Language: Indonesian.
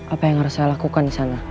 apa yang harus saya lakukan di sana